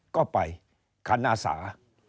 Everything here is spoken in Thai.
ก็ไปคันอาสา